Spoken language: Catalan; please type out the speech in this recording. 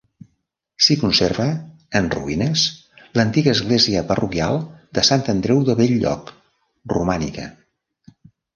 S'hi conserva, en ruïnes, l'antiga església parroquial de Sant Andreu de Bell-lloc, romànica.